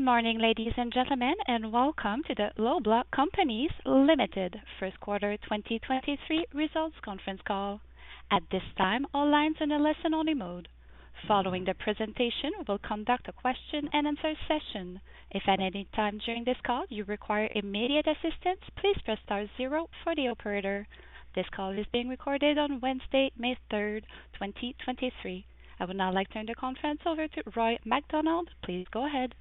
Good morning, ladies and gentlemen, welcome to the Loblaw Companies Limited first quarter 2023 results conference call. At this time, all lines in a listen-only mode. Following the presentation, we'll conduct a question-and-answer session. If at any time during this call you require immediate assistance, please press star zero for the operator. This call is being recorded on Wednesday, May 3rd, 2023. I would now like to turn the conference over to Roy MacDonald. Please go ahead.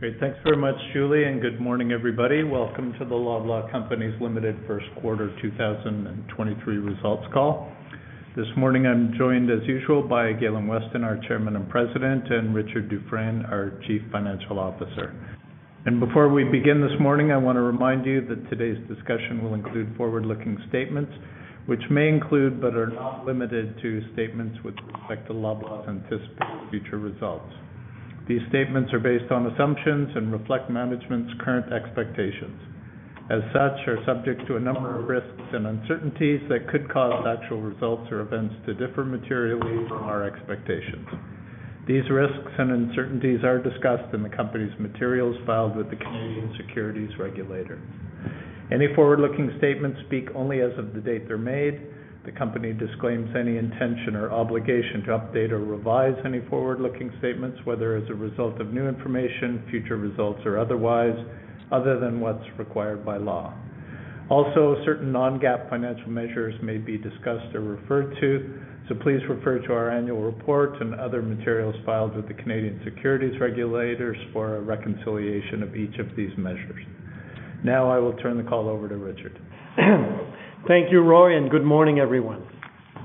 Great. Thanks very much, Julie. Good morning, everybody. Welcome to the Loblaw Companies Limited first quarter 2023 results call. This morning, I'm joined, as usual, by Galen Weston, our Chairman and President, and Richard Dufresne, our Chief Financial Officer. Before we begin this morning, I wanna remind you that today's discussion will include forward-looking statements, which may include, but are not limited to, statements with respect to Loblaw's anticipated future results. These statements are based on assumptions and reflect management's current expectations. As such, are subject to a number of risks and uncertainties that could cause actual results or events to differ materially from our expectations. These risks and uncertainties are discussed in the company's materials filed with the Canadian Securities Administrators. Any forward-looking statements speak only as of the date they're made. The company disclaims any intention or obligation to update or revise any forward-looking statements, whether as a result of new information, future results or otherwise, other than what's required by law. Certain non-GAAP financial measures may be discussed or referred to, so please refer to our annual report and other materials filed with the Canadian Securities Regulators for a reconciliation of each of these measures. I will turn the call over to Richard. Thank you, Roy. Good morning, everyone.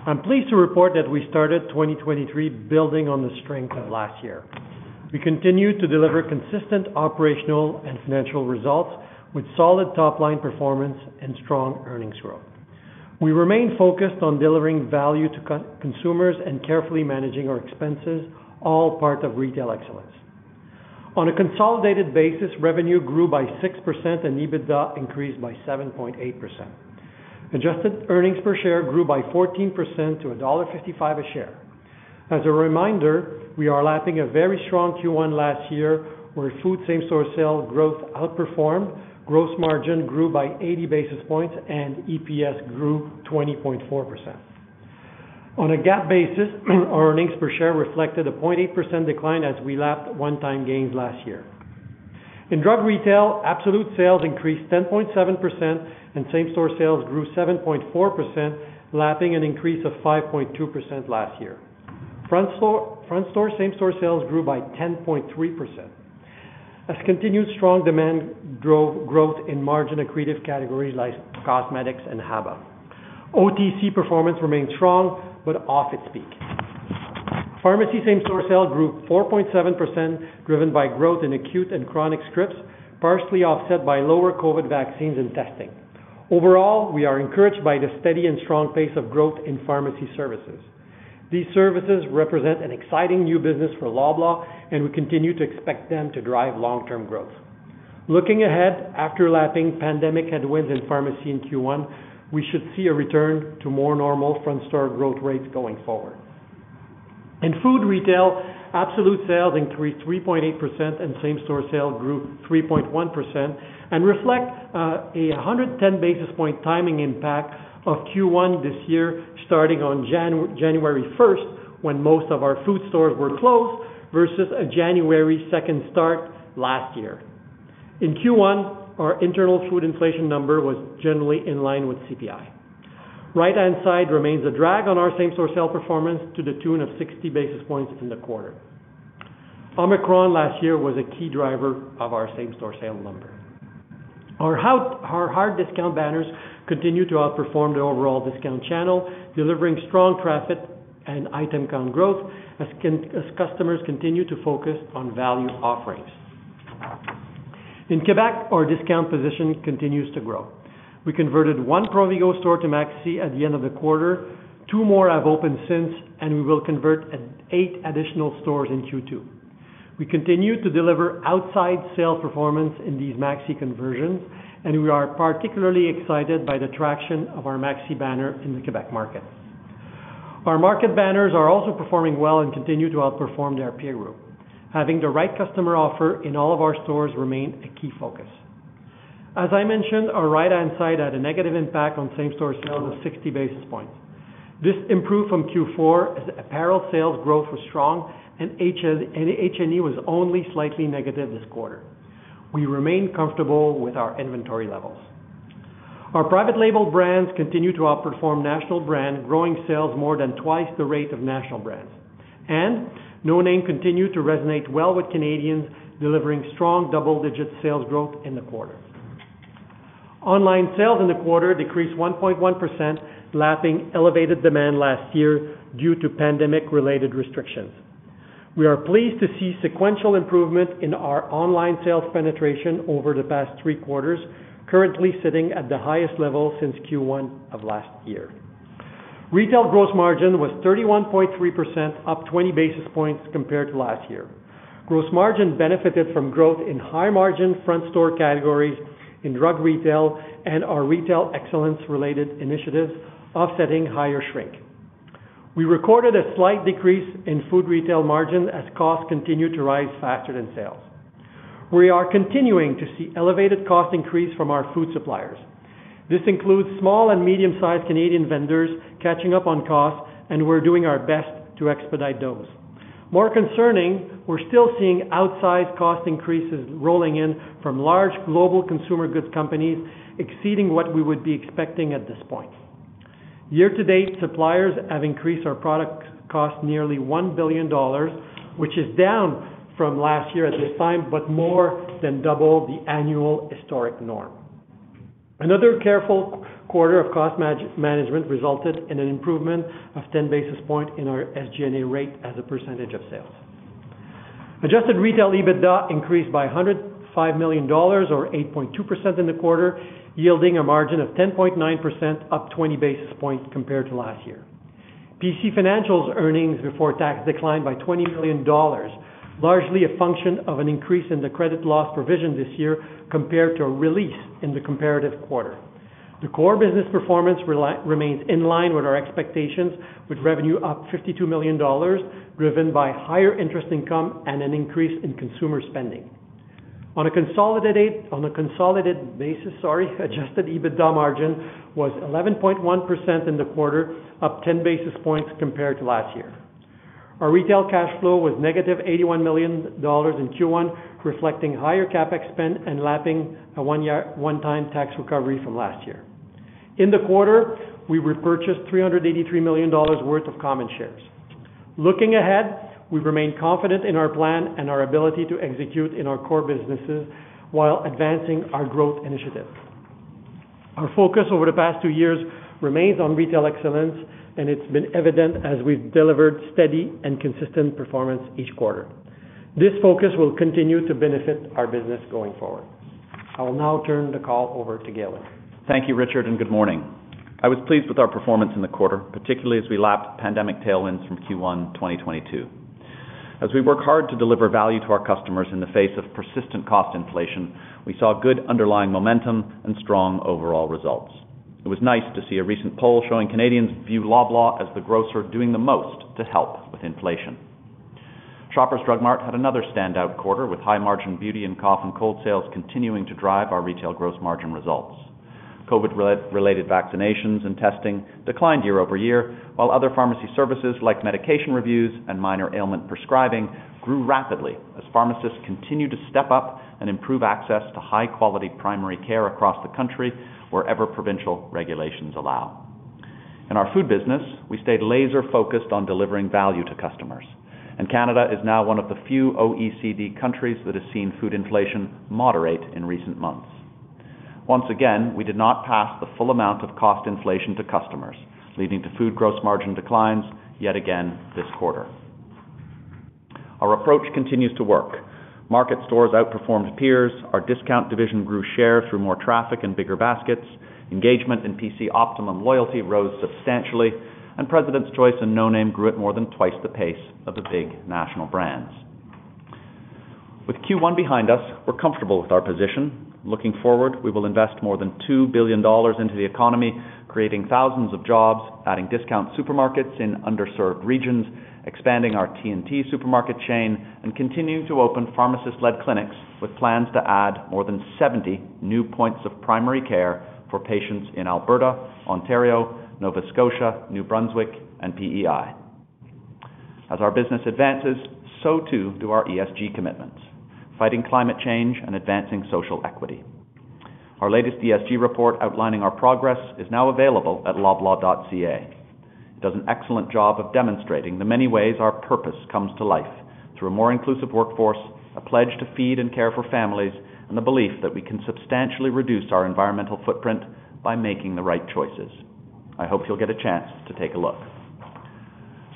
I'm pleased to report that we started 2023 building on the strength of last year. We continue to deliver consistent operational and financial results with solid top-line performance and strong earnings growth. We remain focused on delivering value to consumers and carefully managing our expenses, all part of retail excellence. On a consolidated basis, revenue grew by 6% and EBITDA increased by 7.8%. Adjusted earnings per share grew by 14% to dollar 1.55 a share. As a reminder, we are lapping a very strong Q1 last year, where food same store sales growth outperformed, gross margin grew by 80 basis points, and EPS grew 20.4%. On a GAAP basis, our earnings per share reflected a 0.8% decline as we lapped one-time gains last year. In drug retail, absolute sales increased 10.7%, and same store sales grew 7.4%, lapping an increase of 5.2% last year. Front store same store sales grew by 10.3%. As continued strong demand growth in margin-accretive categories like cosmetics and HABA. OTC performance remained strong but off its peak. Pharmacy same store sales grew 4.7%, driven by growth in acute and chronic scripts, partially offset by lower COVID vaccines and testing. Overall, we are encouraged by the steady and strong pace of growth in pharmacy services. These services represent an exciting new business for Loblaw, and we continue to expect them to drive long-term growth. Looking ahead, after lapping pandemic headwinds in pharmacy in Q1, we should see a return to more normal front store growth rates going forward. In food retail, absolute sales increased 3.8% and same store sales grew 3.1% and reflect 110 basis points timing impact of Q1 this year, starting on January 1st when most of our food stores were closed, versus a January 2nd start last year. In Q1, our internal food inflation number was generally in line with CPI. right-hand side remains a drag on our same store sales performance to the tune of 60 basis points in the quarter. Omicron last year was a key driver of our same store sales number. Our hard discount banners continue to outperform the overall discount channel, delivering strong traffic and item count growth as customers continue to focus on value offerings. In Quebec, our discount position continues to grow. We converted one Provigo store to Maxi at the end of the quarter. Two more have opened since, and we will convert at 8 additional stores in Q2. We continue to deliver outside sales performance in these Maxi conversions, and we are particularly excited by the traction of our Maxi banner in the Quebec market. Our market banners are also performing well and continue to outperform their peer group. Having the right customer offer in all of our stores remain a key focus. As I mentioned, our right-hand side had a negative impact on same store sales of 60 basis points. This improved from Q4 as apparel sales growth was strong and HH&NE was only slightly negative this quarter. We remain comfortable with our inventory levels. Our private label brands continue to outperform national brand, growing sales more than twice the rate of national brands. No Name continued to resonate well with Canadians, delivering strong double-digit sales growth in the quarter. Online sales in the quarter decreased 1.1%, lapping elevated demand last year due to pandemic-related restrictions. We are pleased to see sequential improvement in our online sales penetration over the past three quarters, currently sitting at the highest level since Q1 of last year. Retail gross margin was 31.3%, up 20 basis points compared to last year. Gross margin benefited from growth in high-margin front store categories in drug retail and our retail excellence-related initiatives, offsetting higher shrink. We recorded a slight decrease in food retail margin as costs continued to rise faster than sales. We are continuing to see elevated cost increase from our food suppliers. This includes small and medium-sized Canadian vendors catching up on costs, and we're doing our best to expedite those. More concerning, we're still seeing outsized cost increases rolling in from large global consumer goods companies, exceeding what we would be expecting at this point. Year-to-date, suppliers have increased our product cost nearly $1 billion, which is down from last year at this time, but more than double the annual historic norm. Another careful quarter of cost management resulted in an improvement of 10 basis points in our SG&A rate as a percentage of sales. Adjusted retail EBITDA increased by $105 million or 8.2% in the quarter, yielding a margin of 10.9%, up 20 basis points compared to last year. PC Financial's earnings before tax declined by $20 million, largely a function of an increase in the credit loss provision this year compared to a release in the comparative quarter. The core business performance remains in line with our expectations, with revenue up 52 million dollars, driven by higher interest income and an increase in consumer spending. On a consolidated basis, sorry, adjusted EBITDA margin was 11.1% in the quarter, up 10 basis points compared to last year. Our retail cash flow was negative 81 million dollars in Q1, reflecting higher CapEx spend and lapping a one-time tax recovery from last year. In the quarter, we repurchased 383 million dollars worth of common shares. Looking ahead, we remain confident in our plan and our ability to execute in our core businesses while advancing our growth initiatives. Our focus over the past two years remains on retail excellence, and it's been evident as we've delivered steady and consistent performance each quarter. This focus will continue to benefit our business going forward. I will now turn the call over to Galen. Thank you, Richard. Good morning. I was pleased with our performance in the quarter, particularly as we lapped pandemic tailwinds from Q1 2022. As we work hard to deliver value to our customers in the face of persistent cost inflation, we saw good underlying momentum and strong overall results. It was nice to see a recent poll showing Canadians view Loblaw as the grocer doing the most to help with inflation. Shoppers Drug Mart had another standout quarter with high-margin beauty and cough and cold sales continuing to drive our retail gross margin results. COVID-related vaccinations and testing declined year-over-year, while other pharmacy services like medication reviews and minor ailment prescribing grew rapidly as pharmacists continue to step up and improve access to high-quality primary care across the country wherever provincial regulations allow. In our food business, we stayed laser-focused on delivering value to customers. Canada is now one of the few OECD countries that has seen food inflation moderate in recent months. Once again, we did not pass the full amount of cost inflation to customers, leading to food gross margin declines yet again this quarter. Our approach continues to work. Market stores outperformed peers. Our discount division grew share through more traffic and bigger baskets. Engagement in PC Optimum loyalty rose substantially, and President's Choice and No Name grew at more than twice the pace of the big national brands. With Q1 behind us, we're comfortable with our position. Looking forward, we will invest more than 2 billion dollars into the economy, creating thousands of jobs, adding discount supermarkets in underserved regions, expanding our T&T supermarket chain, and continuing to open pharmacist-led clinics with plans to add more than 70 new points of primary care for patients in Alberta, Ontario, Nova Scotia, New Brunswick and PEI. As our business advances, so too do our ESG commitments, fighting climate change and advancing social equity. Our latest ESG report outlining our progress is now available at loblaw.ca. It does an excellent job of demonstrating the many ways our purpose comes to life through a more inclusive workforce, a pledge to feed and care for families, and the belief that we can substantially reduce our environmental footprint by making the right choices. I hope you'll get a chance to take a look.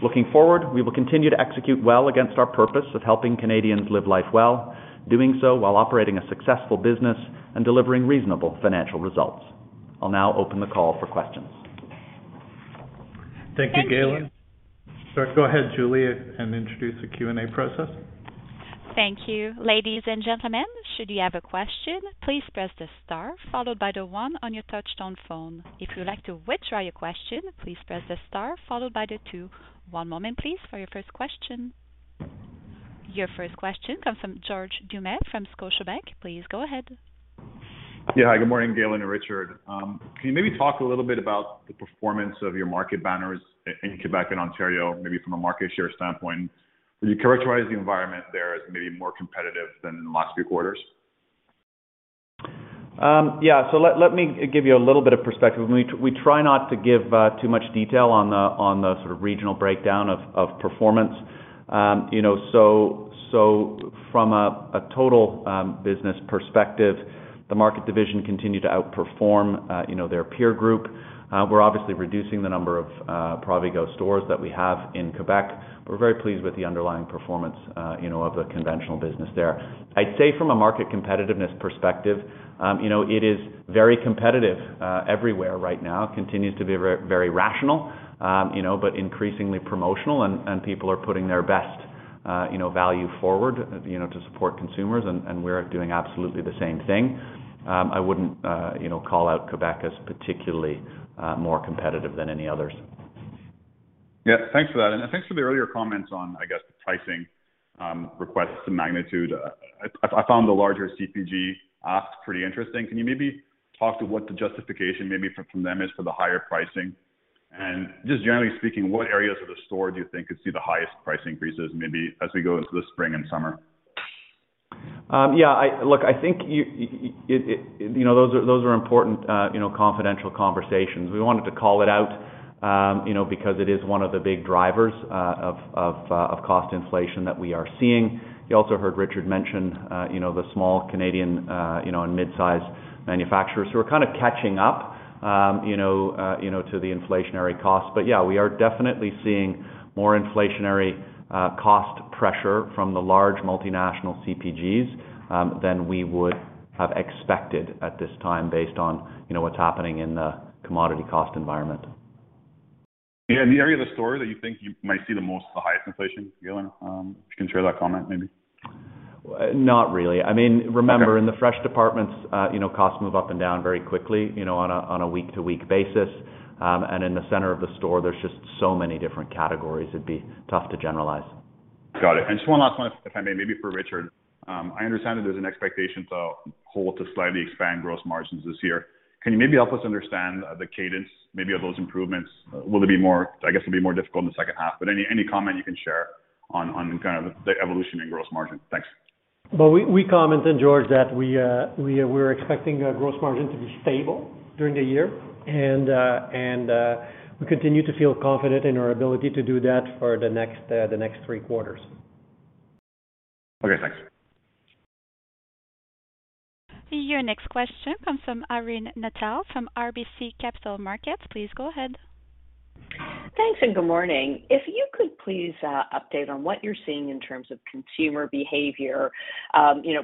Looking forward, we will continue to execute well against our purpose of helping Canadians live life well, doing so while operating a successful business and delivering reasonable financial results. I'll now open the call for questions. Thank you, Galen. Thank you. Go ahead, Julie, and introduce the Q&A process. Thank you. Ladies and gentlemen, should you have a question, please press the star followed by the one on your touch-tone phone. If you would like to withdraw your question, please press the star followed by the two. One moment, please, for your first question. Your first question comes from George Doumet from Scotiabank. Please go ahead. Yeah. Good morning, Galen and Richard. Can you maybe talk a little bit about the performance of your market banners in Quebec and Ontario, maybe from a market share standpoint? Would you characterize the environment there as maybe more competitive than in the last few quarters? Yeah. Let me give you a little bit of perspective. We try not to give too much detail on the sort of regional breakdown of performance. You know, from a total business perspective, the market division continued to outperform, you know, their peer group. We're obviously reducing the number of Provigo stores that we have in Quebec. We're very pleased with the underlying performance, you know, of the conventional business there. I'd say from a market competitiveness perspective, you know, it is very competitive everywhere right now, continues to be very rational, you know, but increasingly promotional and people are putting their best, you know, value forward, you know, to support consumers, and we're doing absolutely the same thing. I wouldn't, you know, call out Quebec as particularly, more competitive than any others. Yeah, thanks for that. Thanks for the earlier comments on, I guess, the pricing requests to magnitude. I found the larger CPG ask pretty interesting. Can you maybe talk to what the justification maybe from them is for the higher pricing? Just generally speaking, what areas of the store do you think could see the highest price increases, maybe as we go into the spring and summer? Yeah, look, I think, you know, those are important, you know, confidential conversations. We wanted to call it out, you know, because it is one of the big drivers of cost inflation that we are seeing. You also heard Richard mention, you know, the small Canadian, you know, and mid-size manufacturers who are kind of catching up, you know, you know, to the inflationary costs. Yeah, we are definitely seeing more inflationary cost pressure from the large multinational CPGs than we would have expected at this time based on, you know, what's happening in the commodity cost environment. Yeah. Any area of the store that you think you might see the most, the highest inflation, Galen, if you can share that comment, maybe? Not really. I mean. Okay. Remember, in the fresh departments, you know, costs move up and down very quickly, you know, on a week-to-week basis. In the center of the store, there's just so many different categories, it'd be tough to generalize. Got it. Just one last one, if I may, maybe for Richard. I understand that there's an expectation to hold to slightly expand gross margins this year. Can you maybe help us understand the cadence maybe of those improvements? I guess it'll be more difficult in the second half, but any comment you can share on kind of the evolution in gross margin? Thanks. Well, we commented, George, that we're expecting gross margin to be stable during the year, and we continue to feel confident in our ability to do that for the next three quarters. Okay, thanks. Your next question comes from Irene Nattel from RBC Capital Markets. Please go ahead. Thanks. Good morning. If you could please, update on what you're seeing in terms of consumer behavior, you know,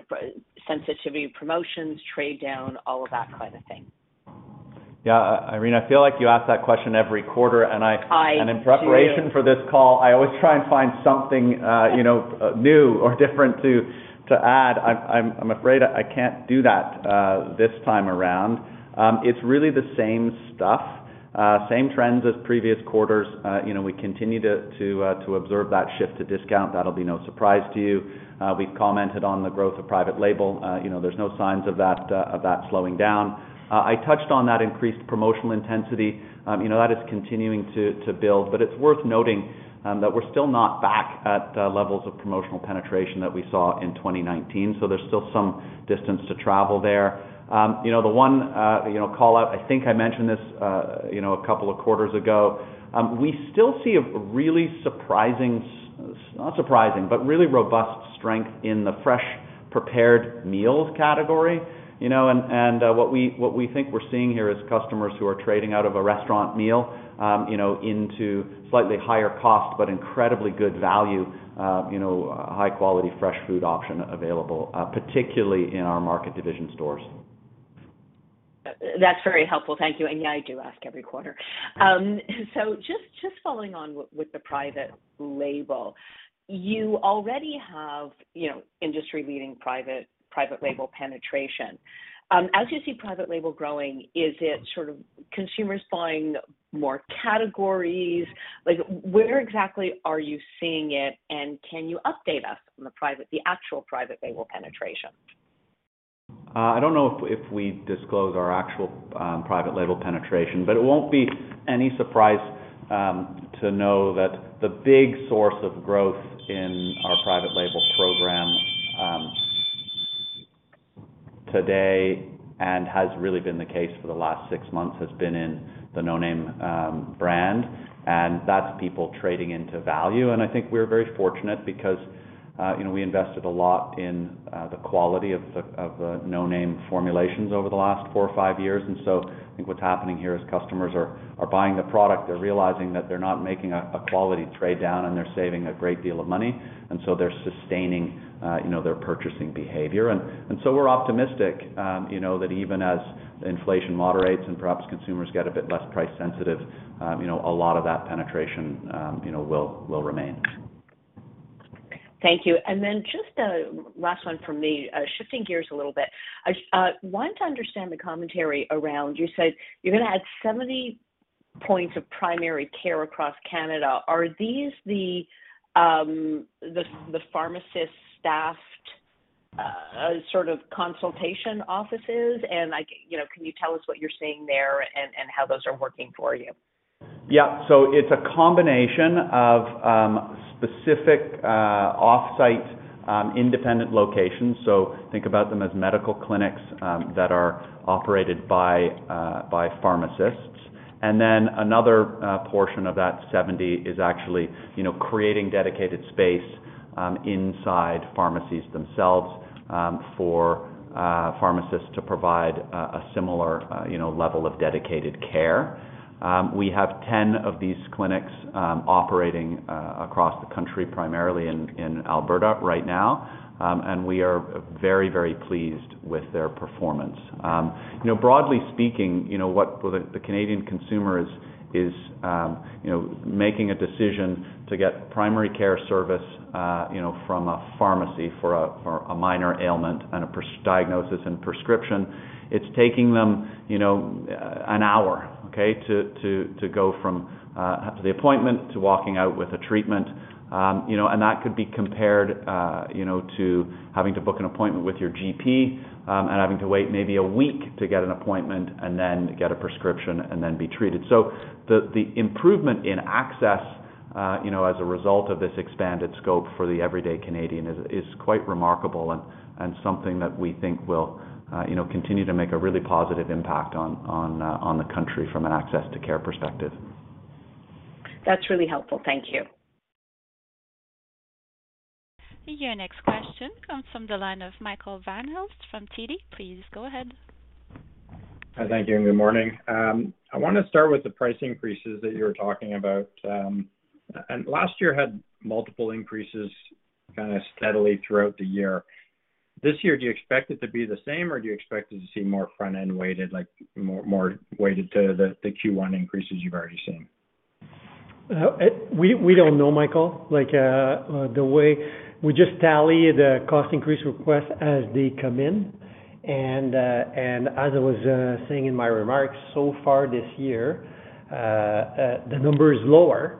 sensitivity promotions, trade down, all of that kind of thing? Yeah, Irene, I feel like you ask that question every quarter, and. I do. In preparation for this call, I always try and find something, you know, new or different to add. I'm afraid I can't do that this time around. It's really the same stuff, same trends as previous quarters. You know, we continue to observe that shift to discount. That'll be no surprise to you. We've commented on the growth of private label. You know, there's no signs of that slowing down. I touched on that increased promotional intensity. You know, that is continuing to build, but it's worth noting, that we're still not back at the levels of promotional penetration that we saw in 2019, so there's still some distance to travel there. You know, the one, you know, call-out, I think I mentioned this, you know, a couple of quarters ago. We still see a really not surprising, but really robust strength in the fresh prepared meals category. You know, what we think we're seeing here is customers who are trading out of a restaurant meal, you know, into slightly higher cost but incredibly good value, you know, high quality fresh food option available, particularly in our market division stores. That's very helpful. Thank you. Yeah, I do ask every quarter. Just following on with the private label. You already have, you know, industry-leading private label penetration. As you see private label growing, is it sort of consumers buying more categories? Like, where exactly are you seeing it, and can you update us on the actual private label penetration? I don't know if we disclose our actual private label penetration, but it won't be any surprise to know that the big source of growth in our private label program today and has really been the case for the last six months, has been in the No Name brand, and that's people trading into value. I think we're very fortunate because, you know, we invested a lot in the quality of the No Name formulations over the last four or five years. I think what's happening here is customers are buying the product. They're realizing that they're not making a quality trade-down, and they're saving a great deal of money. They're sustaining, you know, their purchasing behavior. We're optimistic, you know, that even as inflation moderates and perhaps consumers get a bit less price sensitive, you know, a lot of that penetration, you know, will remain. Thank you. Then just a last one from me, shifting gears a little bit. Want to understand the commentary around you said you're gonna add 70 points of primary care across Canada. Are these the pharmacist-staffed, sort of consultation offices? Like, you know, can you tell us what you're seeing there and how those are working for you? It's a combination of specific, off-site, independent locations. Think about them as medical clinics that are operated by pharmacists. Another portion of that 70 is actually, you know, creating dedicated space inside pharmacies themselves for pharmacists to provide a similar, you know, level of dedicated care. We have 10 of these clinics operating across the country, primarily in Alberta right now. We are very, very pleased with their performance. You know, broadly speaking, you know, what the Canadian consumer is, you know, making a decision to get primary care service, you know, from a pharmacy for a minor ailment and a diagnosis and prescription. It's taking them, you know, 1 hour, okay? To go from the appointment to walking out with a treatment. You know, that could be compared, you know, to having to book an appointment with your GP and having to wait maybe one week to get an appointment and then get a prescription and then be treated. The improvement in access, you know, as a result of this expanded scope for the everyday Canadian is quite remarkable and something that we think will, you know, continue to make a really positive impact on the country from an access to care perspective. That's really helpful. Thank you. Your next question comes from the line of Michael Van Aelst from TD. Please go ahead. Hi. Thank you, and good morning. I wanna start with the price increases that you were talking about. Last year had multiple increases kinda steadily throughout the year. This year, do you expect it to be the same, or do you expect to see more front-end weighted, like more weighted to the Q1 increases you've already seen? We don't know, Michael. Like, the way we just tally the cost increase request as they come in. As I was saying in my remarks so far this year, the number is lower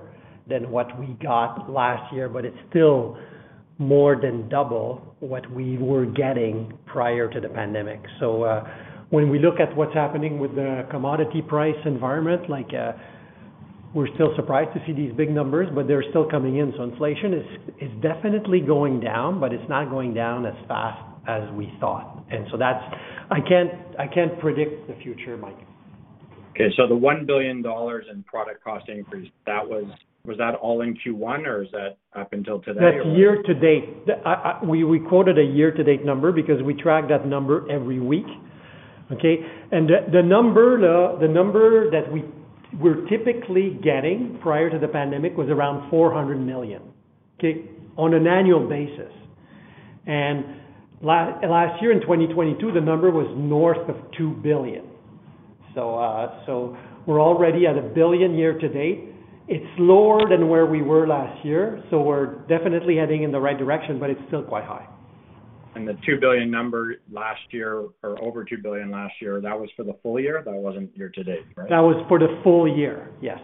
than what we got last year, but it's still more than double what we were getting prior to the pandemic. When we look at what's happening with the commodity price environment, like, we're still surprised to see these big numbers, but they're still coming in. Inflation is definitely going down, but it's not going down as fast as we thought. That's. I can't predict the future, Mike. Okay. The 1 billion dollars in product cost increase, Was that all in Q1, or is that up until today? That's year to date. We quoted a year to date number because we track that number every week, okay? The number that we're typically getting prior to the pandemic was around 400 million, okay? On an annual basis. Last year, in 2022, the number was north of 2 billion. We're already at 1 billion year to date. It's lower than where we were last year, so we're definitely heading in the right direction, but it's still quite high. The 2 billion number last year, or over 2 billion last year, that was for the full year? That wasn't year to date, right? That was for the full year, yes.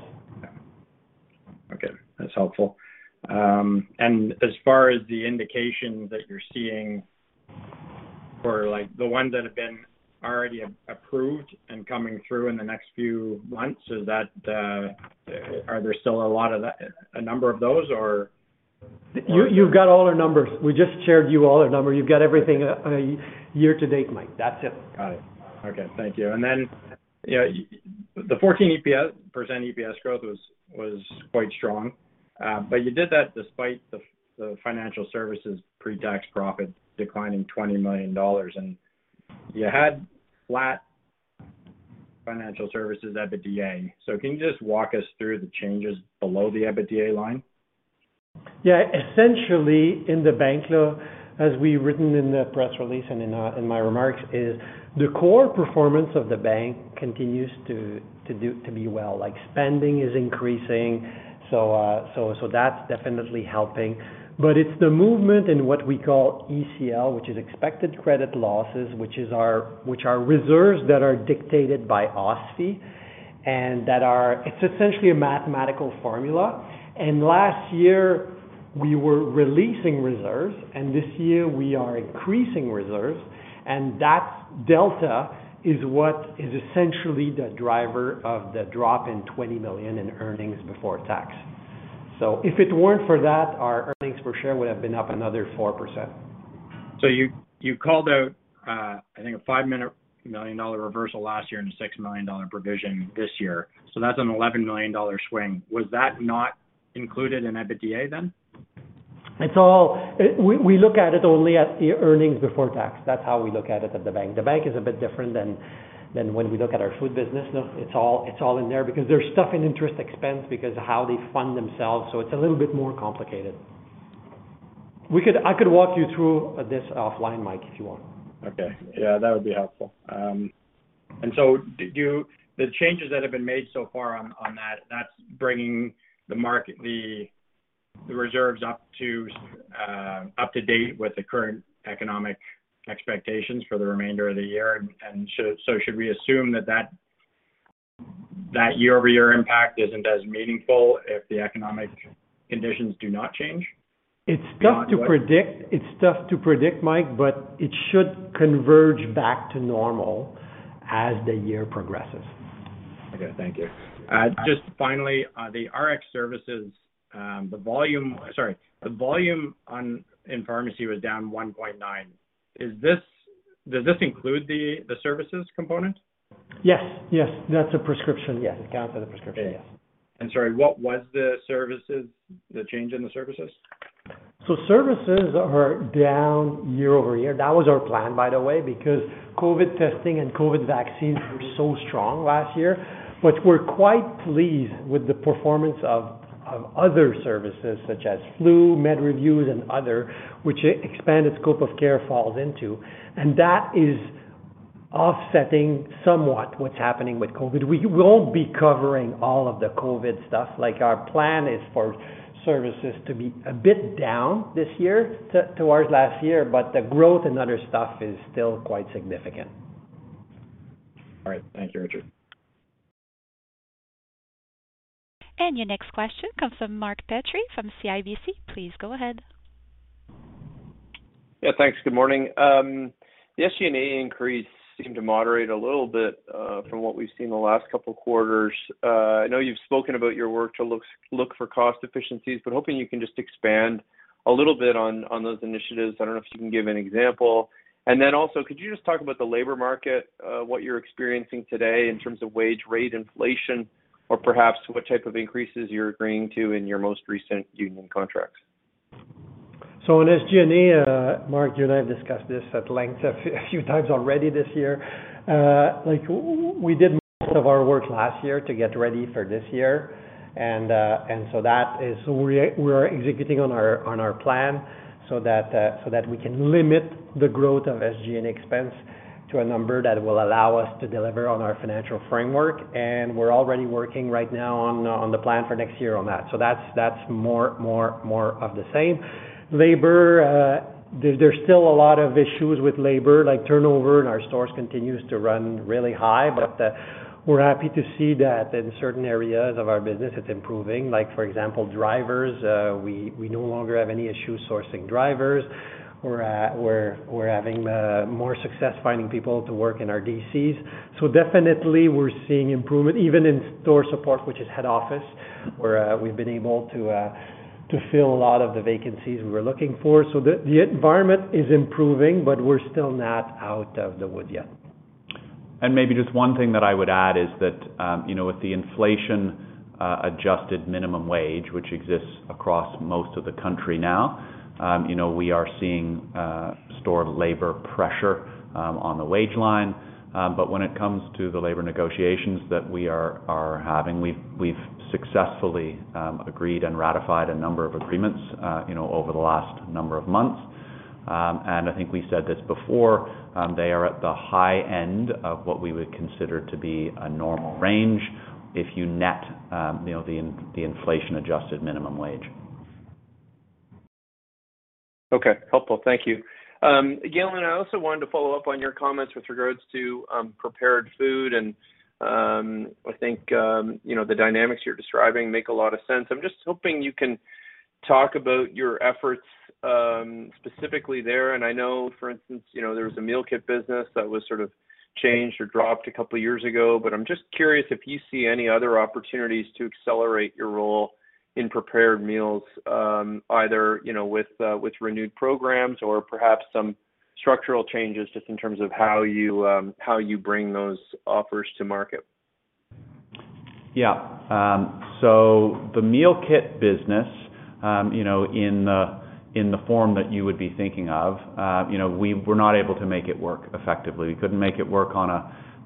Okay. That's helpful. As far as the indication that you're seeing for like the ones that have been already approved and coming through in the next few months, is that, are there still a lot of that, a number of those or?... You've got all our numbers. We just shared you all our numbers. You've got everything year to date, Mike. That's it. Got it. Okay. Thank you. Then, you know, the 14% EPS growth was quite strong. You did that despite the financial services pre-tax profit declining 20 million dollars. You had flat financial services EBITDA. Can you just walk us through the changes below the EBITDA line? Yeah. Essentially, in the bank though, as we've written in the press release and in my remarks, is the core performance of the bank continues to do, to be well. Like, spending is increasing, so that's definitely helping. It's the movement in what we call ECL, which is Expected Credit Losses, which are reserves that are dictated by OSFI, and that are. It's essentially a mathematical formula. Last year, we were releasing reserves, and this year we are increasing reserves, and that delta is what is essentially the driver of the drop in 20 million in earnings before tax. If it weren't for that, our earnings per share would have been up another 4%. You called out, I think a five-minute 1 million reversal last year and a 6 million dollar provision this year. That's a CAD 11 million swing. Was that not included in EBITDA then? It's all. We look at it only at the earnings before tax. That's how we look at it at the bank. The bank is a bit different than when we look at our food business. It's all in there because they're stuffing interest expense because of how they fund themselves, it's a little bit more complicated. I could walk you through this offline, Mike, if you want. Okay. Yeah, that would be helpful. The changes that have been made so far on that's bringing the market, the reserves up to date with the current economic expectations for the remainder of the year. Should we assume that year-over-year impact isn't as meaningful if the economic conditions do not change? It's tough to predict. It's tough to predict, Mike, but it should converge back to normal as the year progresses. Okay. Thank you. Just finally, the RX services, the volume in pharmacy was down 1.9%. Does this include the services component? Yes. Yes. That's a prescription. Yes. It counts as a prescription. Yes. Sorry, what was the services, the change in the services? Services are down year-over-year. That was our plan, by the way, because COVID testing and COVID vaccines were so strong last year. We're quite pleased with the performance of other services such as flu, med reviews, and other, which expanded scope of care falls into. That is offsetting somewhat what's happening with COVID. We won't be covering all of the COVID stuff. Like, our plan is for services to be a bit down this year towards last year, the growth in other stuff is still quite significant. All right. Thank you, Richard. Your next question comes from Mark Petrie from CIBC. Please go ahead. Yeah, thanks. Good morning. The SG&A increase seemed to moderate a little bit from what we've seen the last couple of quarters. I know you've spoken about your work to look for cost efficiencies, but hoping you can just expand a little bit on those initiatives. I don't know if you can give an example. Also, could you just talk about the labor market, what you're experiencing today in terms of wage rate inflation, or perhaps what type of increases you're agreeing to in your most recent union contracts? On SG&A, Mark, you and I have discussed this at length a few times already this year. Like we did most of our work last year to get ready for this year. That is we are executing on our, on our plan so that we can limit the growth of SG&A expense to a number that will allow us to deliver on our financial framework. We're already working right now on the plan for next year on that. That's more of the same. Labor, there's still a lot of issues with labor, like turnover in our stores continues to run really high. We're happy to see that in certain areas of our business, it's improving. Like, for example, drivers, we no longer have any issue sourcing drivers. We're having more success finding people to work in our DCs. Definitely we're seeing improvement even in store support, which is head office, where we've been able to fill a lot of the vacancies we were looking for. The environment is improving. We're still not out of the woods yet. Maybe just one thing that I would add is that, you know, with the inflation-adjusted minimum wage, which exists across most of the country now, you know, we are seeing store labor pressure on the wage line. When it comes to the labor negotiations that we are having, we've successfully agreed and ratified a number of agreements, you know, over the last number of months. I think we said this before, they are at the high end of what we would consider to be a normal range if you net, you know, the inflation-adjusted minimum wage. Okay. Helpful. Thank you. Galen, I also wanted to follow up on your comments with regards to prepared food and I think, you know, the dynamics you're describing make a lot of sense. I'm just hoping you can talk about your efforts specifically there. I know, for instance, you know, there was a meal kit business that was sort of changed or dropped a couple of years ago, but I'm just curious if you see any other opportunities to accelerate your role in prepared meals, either, you know, with renewed programs or perhaps some structural changes just in terms of how you bring those offers to market. Yeah. The meal kit business, you know, in the, in the form that you would be thinking of, you know, we were not able to make it work effectively. We couldn't make it work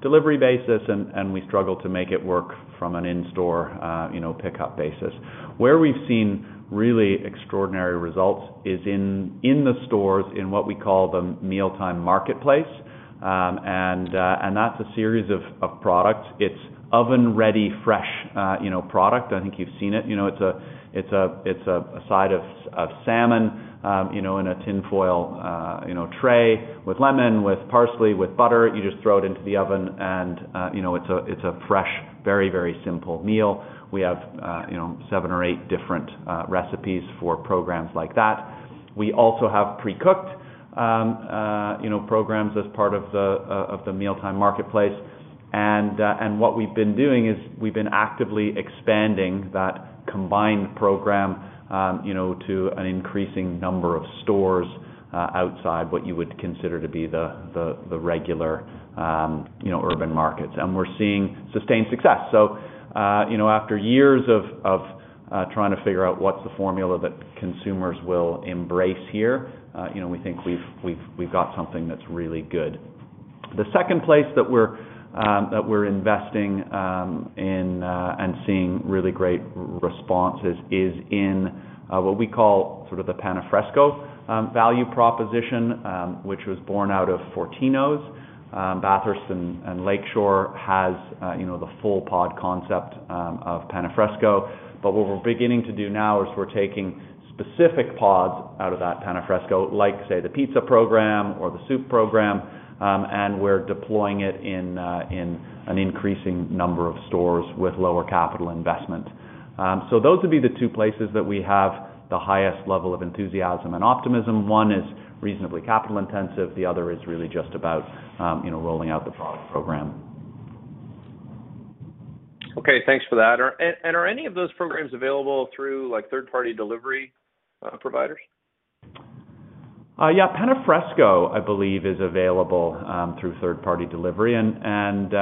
on a delivery basis, and we struggled to make it work from an in-store, you know, pickup basis. Where we've seen really extraordinary results is in the stores in what we call the Mealtime Marketplace. That's a series of products. It's oven-ready, fresh, you know, product. I think you've seen it. You know, it's a side of salmon, you know, in a tinfoil, you know, tray with lemon, with parsley, with butter. You just throw it into the oven and, you know, it's a fresh, very, very simple meal. We have, you know, seven or eight different recipes for programs like that. We also have pre-cooked, you know, programs as part of the Mealtime Marketplace. What we've been doing is we've been actively expanding that combined program, you know, to an increasing number of stores outside what you would consider to be the regular, you know, urban markets. We're seeing sustained success. After years of trying to figure out what's the formula that consumers will embrace here, you know, we think we've got something that's really good. The second place that we're investing in and seeing really great responses is in what we call sort of the Pana Fresco value proposition, which was born out of Fortinos. Bathurst and Lakeshore has, you know, the full pod concept of Pana Fresco. What we're beginning to do now is we're taking specific pods out of that Pana Fresco, like, say, the pizza program or the soup program, and we're deploying it in an increasing number of stores with lower capital investment. Those would be the two places that we have the highest level of enthusiasm and optimism. One is reasonably capital-intensive, the other is really just about, you know, rolling out the product program. Okay. Thanks for that. And are any of those programs available through, like, third-party delivery providers? Yeah. Pana Fresco, I believe, is available through third-party delivery. We have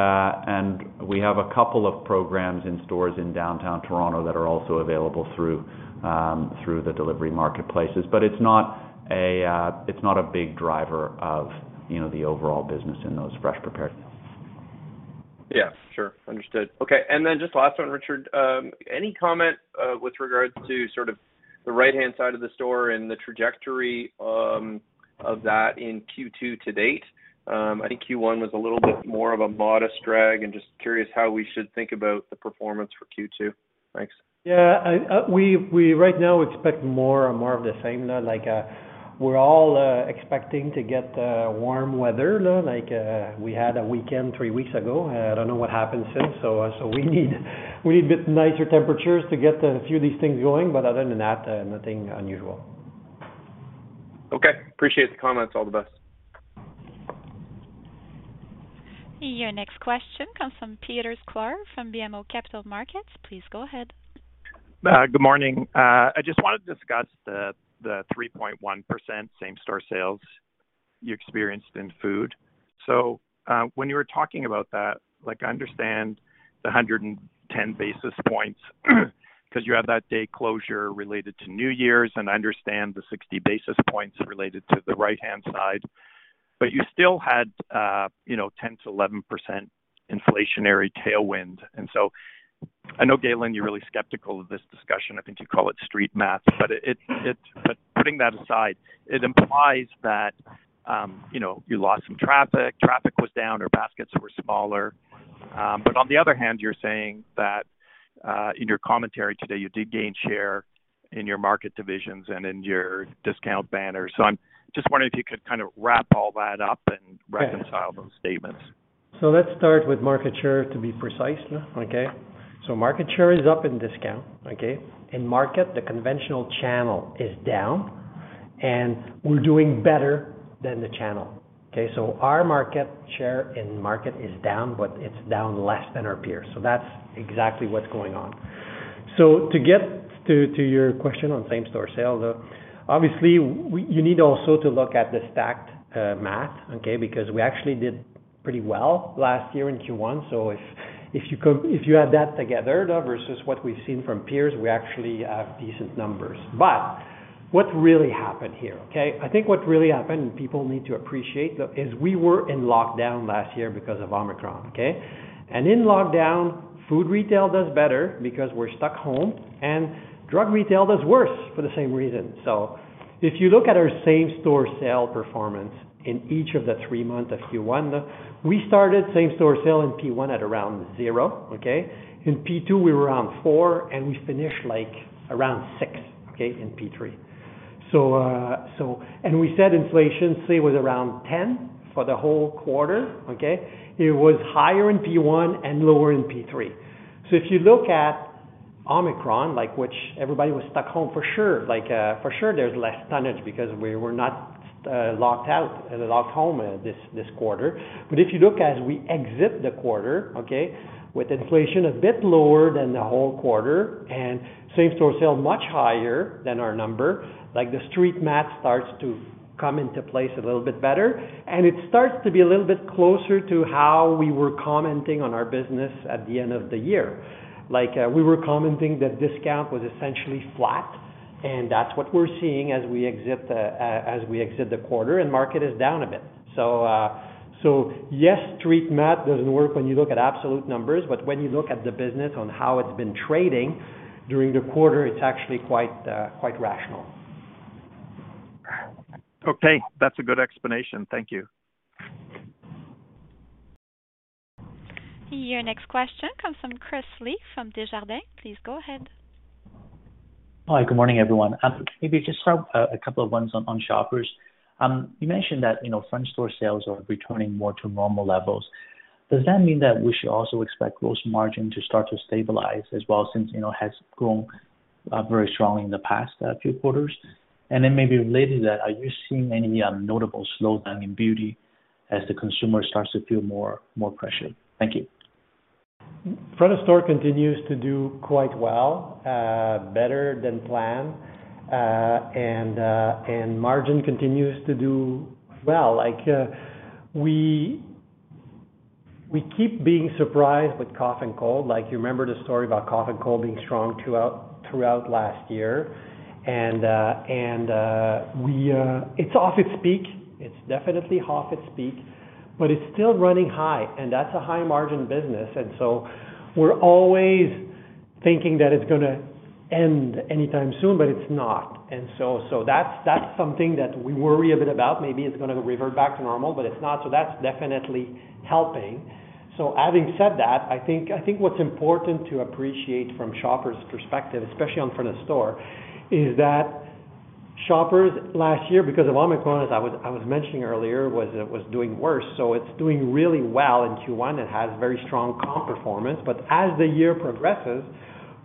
a couple of programs in stores in downtown Toronto that are also available through the delivery marketplaces. It's not a big driver of, you know, the overall business in those fresh prepared meals. Yeah, sure. Understood. Okay. Just last one, Richard. Any comment with regards to sort of the right-hand side of the store and the trajectory of that in Q2 to date? I think Q1 was a little bit more of a modest drag, and just curious how we should think about the performance for Q2? Thanks. Yeah. I right now expect more and more of the same, like, we're all expecting to get warm weather, like, we had a weekend three weeks ago. I don't know what happened since, so we need a bit nicer temperatures to get a few of these things going, but other than that, nothing unusual. Okay. Appreciate the comments. All the best. Your next question comes from Peter Sklar from BMO Capital Markets. Please go ahead. Good morning. I just wanted to discuss the 3.1% same store sales you experienced in food. When you were talking about that, like I understand the 110 basis points 'cause you have that day closure related to New Year's, and I understand the 60 basis points related to the right hand side. You still had, you know, 10%-11% inflationary tailwind. I know, Galen, you're really skeptical of this discussion. I think you call it street math. Putting that aside, it implies that, you know, you lost some traffic. Traffic was down or baskets were smaller. On the other hand, you're saying that, in your commentary today, you did gain share in your market divisions and in your discount banners. I'm just wondering if you could kind of wrap all that up and reconcile those statements? Let's start with market share to be precise. Okay? Market share is up in discount, okay? In market, the conventional channel is down, and we're doing better than the channel. Okay? Our market share in market is down, but it's down less than our peers. That's exactly what's going on. To get to your question on same store sales, obviously, you need also to look at the stacked math, okay? Because we actually did pretty well last year in Q1. If you add that together versus what we've seen from peers, we actually have decent numbers. What really happened here, okay? I think what really happened, and people need to appreciate, though, is we were in lockdown last year because of Omicron, okay? In lockdown, food retail does better because we're stuck home and drug retail does worse for the same reason. If you look at our same store sale performance in each of the three months of Q1, we started same store sale in P1 at around 0%, okay? In P2, we were around 4%, and we finished, like, around 6%, okay, in P3. And we said inflation, say, was around 10% for the whole quarter, okay? It was higher in P1 and lower in P3. If you look at Omicron, like, which everybody was stuck home for sure, like, for sure, there's less tonnage because we were not locked home this quarter. If you look as we exit the quarter, okay, with inflation a bit lower than the whole quarter and same-store sale much higher than our number, like the street math starts to come into place a little bit better, and it starts to be a little bit closer to how we were commenting on our business at the end of the year. We were commenting that discount was essentially flat, and that's what we're seeing as we exit the quarter and market is down a bit. Yes, street math doesn't work when you look at absolute numbers, but when you look at the business on how it's been trading during the quarter, it's actually quite rational. Okay. That's a good explanation. Thank you. Your next question comes from Chris Li from Desjardins. Please go ahead. Hi. Good morning, everyone. Maybe just start a couple of ones on Shoppers. You mentioned that, you know, front store sales are returning more to normal levels. Does that mean that we should also expect gross margin to start to stabilize as well since, you know, it has grown very strongly in the past few quarters? Maybe related to that, are you seeing any notable slowdown in beauty as the consumer starts to feel more pressure? Thank you. Front store continues to do quite well, better than planned. Margin continues to do well. Like, we keep being surprised with cough and cold. Like, you remember the story about cough and cold being strong throughout last year. It's off its peak. It's definitely off its peak, but it's still running high, and that's a high-margin business. We're always thinking that it's gonna end anytime soon, but it's not. That's something that we worry a bit about. Maybe it's gonna revert back to normal, but it's not. That's definitely helping. Having said that, I think what's important to appreciate from Shoppers perspective, especially on front of store, is that Shoppers last year because of Omicron, as I was mentioning earlier, was doing worse. It's doing really well in Q1. It has very strong comp performance. As the year progresses,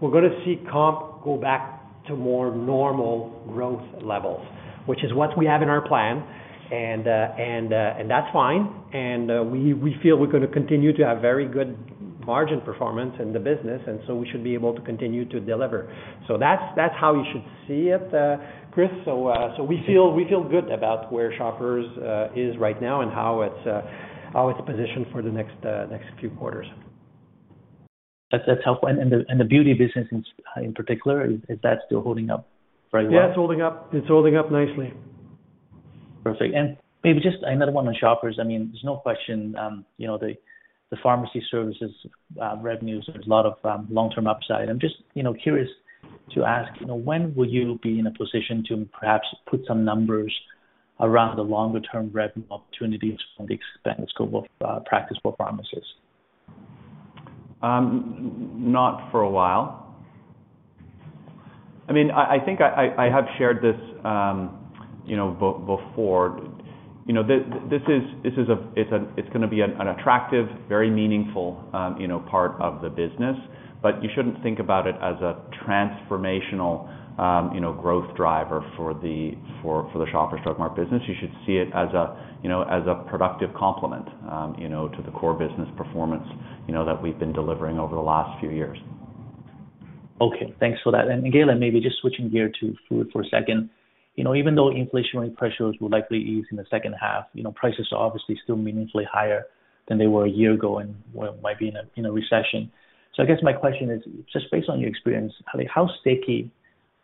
we're gonna see comp go back to more normal growth levels, which is what we have in our plan. That's fine. We feel we're gonna continue to have very good margin performance in the business, and so we should be able to continue to deliver. That's how you should see it, Chris. We feel good about where Shoppers is right now and how it's positioned for the next few quarters. That's helpful. The beauty business in particular, is that still holding up very well? Yeah, it's holding up. It's holding up nicely. Perfect. Maybe just another one on Shoppers. I mean, there's no question, you know, the pharmacy services revenues, there's a lot of long-term upside. I'm just, you know, curious to ask, you know, when will you be in a position to perhaps put some numbers around the longer term revenue opportunities from the expanded scope of practice for pharmacists? Not for a while. I mean, I think I have shared this, you know, before. You know, this is a, it's gonna be an attractive, very meaningful, you know, part of the business. You shouldn't think about it as a transformational, you know, growth driver for the Shoppers Drug Mart business. You should see it as a, you know, as a productive complement, you know, to the core business performance, you know, that we've been delivering over the last few years. Okay. Thanks for that. Again, maybe just switching gears to food for a second. You know, even though inflationary pressures will likely ease in the second half, you know, prices are obviously still meaningfully higher than they were a year ago and we might be in a recession. I guess my question is, just based on your experience, I mean, how sticky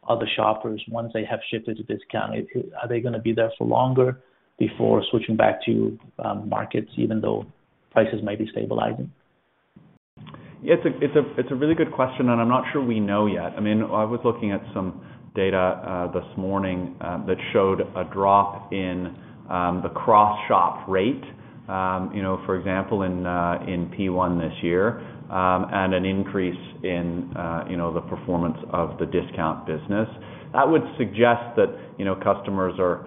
are the shoppers once they have shifted to discount? Are they gonna be there for longer before switching back to markets, even though prices may be stabilizing? It's a really good question. I'm not sure we know yet. I mean, I was looking at some data this morning that showed a drop in the cross-shop rate, you know, for example, in P1 this year, an increase in, you know, the performance of the discount business. That would suggest that, you know, customers are,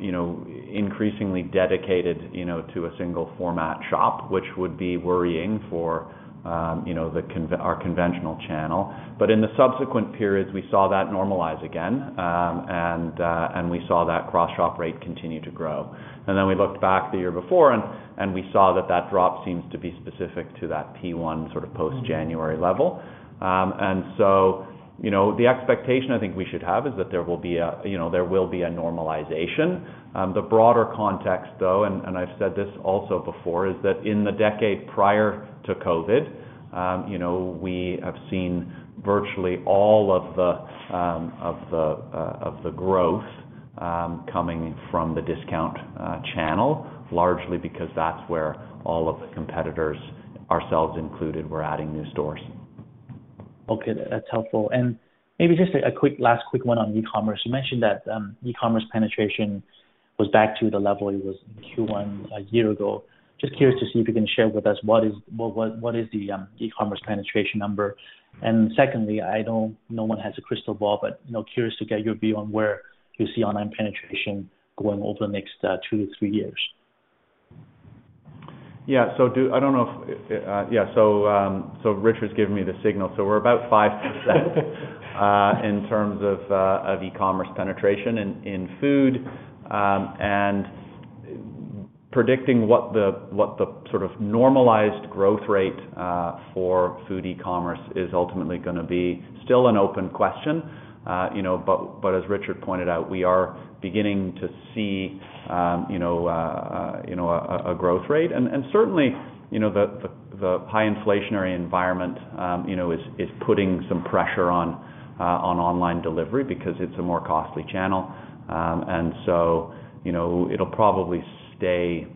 you know, increasingly dedicated, you know, to a single format shop, which would be worrying for, you know, our conventional channel. In the subsequent periods, we saw that normalize again, and we saw that cross-shop rate continue to grow. We looked back the year before and we saw that that drop seems to be specific to that P1 sort of post-January level. The expectation I think we should have is that there will be a normalization. The broader context though, I've said this also before, is that in the decade prior to COVID, we have seen virtually all of the, of the growth, coming from the discount channel, largely because that's where all of the competitors, ourselves included, were adding new stores. Okay. That's helpful. Maybe just a quick last quick one on e-commerce. You mentioned that e-commerce penetration was back to the level it was in Q1 a year ago. Just curious to see if you can share with us what is the e-commerce penetration number? Secondly, no one has a crystal ball, but, you know, curious to get your view on where you see online penetration going over the next two to three years? Yeah. Do I don't know if, yeah, so Richard's giving me the signal. We're about 5% in terms of e-commerce penetration in food. Predicting what the sort of normalized growth rate for food e-commerce is ultimately gonna be still an open question. You know, but as Richard pointed out, we are beginning to see, you know, a growth rate. Certainly, you know, the high inflationary environment, you know, is putting some pressure on online delivery because it's a more costly channel. So, you know, it'll probably stay,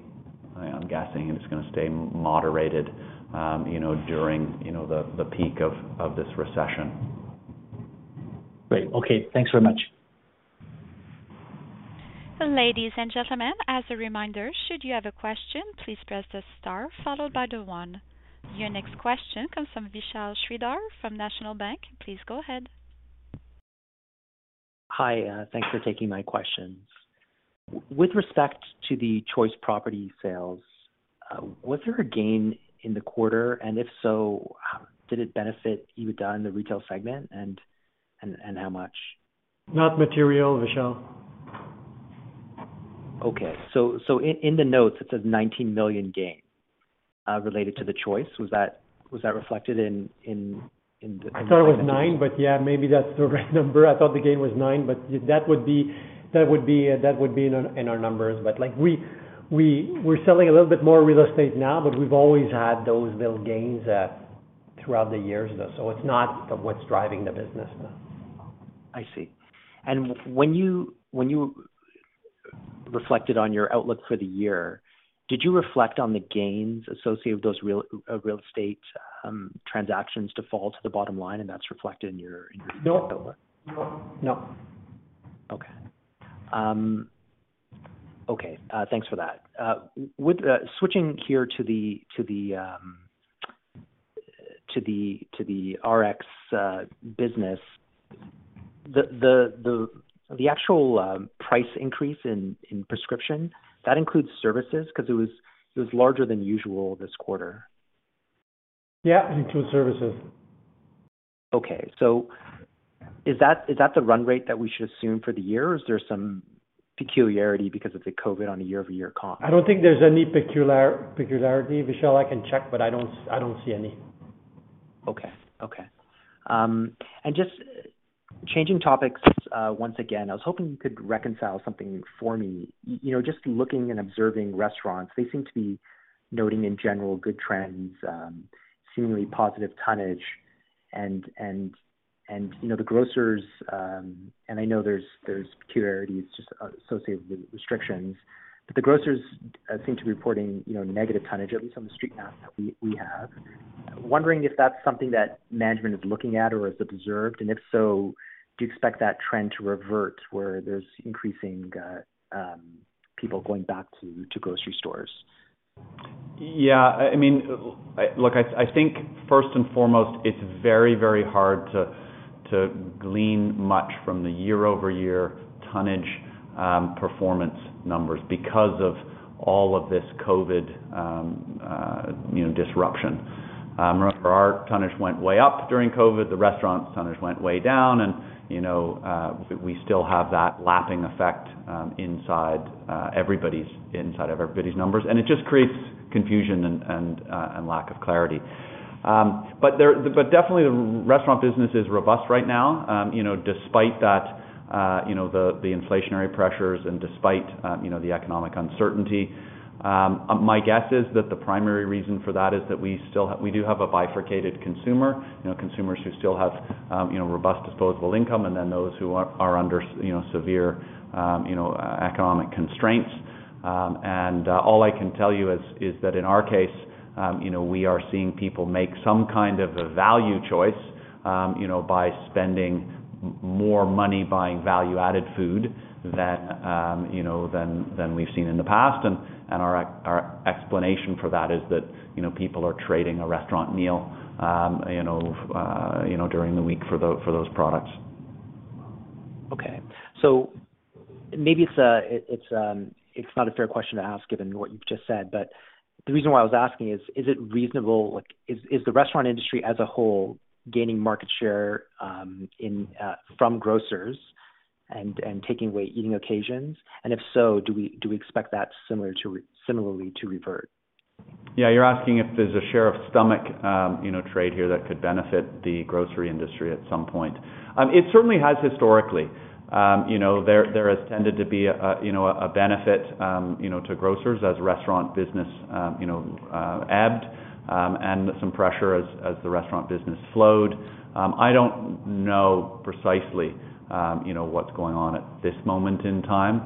I'm guessing it's gonna stay moderated, you know, during, you know, the peak of this recession. Great. Okay. Thanks very much. Ladies and gentlemen, as a reminder, should you have a question, please press the star followed by the one. Your next question comes from Vishal Shreedhar from National Bank. Please go ahead. Hi. Thanks for taking my questions. With respect to the Choice Property sales, was there a gain in the quarter? If so, did it benefit EBITDA in the retail segment and how much? Not material, Vishal. Okay. In the notes, it says $19 million gain related to the Choice. Was that reflected? I thought it was nine, but yeah, maybe that's the right number. I thought the gain was 9, but that would be in our numbers. Like we're selling a little bit more real estate now, but we've always had those little gains throughout the years though. It's not what's driving the business now. I see. When you reflected on your outlook for the year, did you reflect on the gains associated with those real estate transactions to fall to the bottom line and that's reflected in your-? No. Okay. Okay. Thanks for that. With switching here to the RX business. The actual price increase in prescription, that includes services 'cause it was larger than usual this quarter. Yeah, it includes services. Okay. Is that the run rate that we should assume for the year? Or is there some peculiarity because of the COVID on a year-over-year comp? I don't think there's any peculiarity, Vishal. I can check, but I don't see any. Okay. Okay. Just changing topics, once again, I was hoping you could reconcile something for me. You know, just looking and observing restaurants, they seem to be noting in general good trends, seemingly positive tonnage. You know, the grocers, and I know there's peculiarities just associated with restrictions, but the grocers seem to be reporting, you know, negative tonnage, at least on the street count that we have. Wondering if that's something that management is looking at or has observed, and if so, do you expect that trend to revert where there's increasing people going back to grocery stores? I mean, look, I think first and foremost, it's very, very hard to glean much from the year-over-year tonnage performance numbers because of all of this COVID disruption. For our tonnage went way up during COVID, the restaurant tonnage went way down and, you know, we still have that lapping effect inside of everybody's numbers. It just creates confusion and lack of clarity. But definitely the restaurant business is robust right now, you know, despite that, you know, the inflationary pressures and despite, you know, the economic uncertainty. My guess is that the primary reason for that is that we do have a bifurcated consumer, you know, consumers who still have, you know, robust disposable income, and then those who are under, you know, severe, economic constraints. All I can tell you is that in our case, you know, we are seeing people make some kind of a value choice, you know, by spending more money buying value-added food than, you know, than we've seen in the past. Our explanation for that is that, you know, people are trading a restaurant meal, you know, during the week for those products. Maybe it's not a fair question to ask given what you've just said, the reason why I was asking is it reasonable, like, is the restaurant industry as a whole gaining market share, in, from grocers and taking away eating occasions? If so, do we expect that similarly to revert? Yeah. You're asking if there's a share of stomach, you know, trade here that could benefit the grocery industry at some point. It certainly has historically. You know, there has tended to be a, you know, a benefit, you know, to grocers as restaurant business, ebbed, and some pressure as the restaurant business flowed. I don't know precisely, you know, what's going on at this moment in time,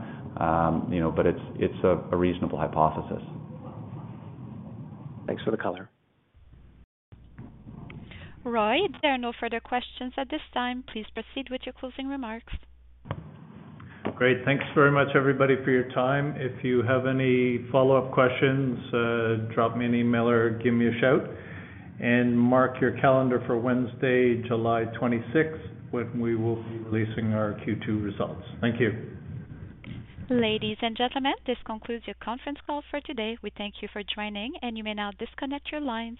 you know, but it's a reasonable hypothesis. Thanks for the color. Roy, there are no further questions at this time. Please proceed with your closing remarks. Great. Thanks very much everybody for your time. If you have any follow-up questions, drop me an email or give me a shout. Mark your calendar for Wednesday, July 26th, when we will be releasing our Q2 results. Thank you. Ladies and gentlemen, this concludes your conference call for today. We thank you for joining, and you may now disconnect your lines.